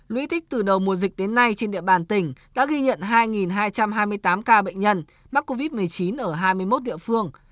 lũy tích từ đầu mùa dịch đến nay trên địa bàn tỉnh đã ghi nhận hai hai trăm hai mươi tám ca bệnh nhân mắc covid một mươi chín ở hai mươi một địa phương